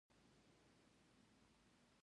جون له فهمیدې ریاض څخه د خلکو په اړه پوښتنه وکړه